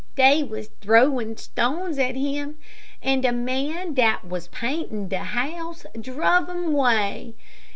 Dey was drowing stones at him, and a man dat was paintin' de house druv 'em away.